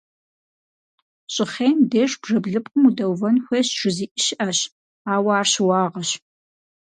Щӏыхъейм деж бжэ блыпкъым удэувэн хуейщ жызыӏи щыӏэщ, ауэ ар щыуагъэщ.